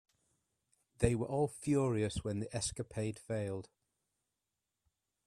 They were all furious when the escapade failed.